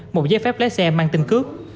một giấy phép lái xe mang tên cước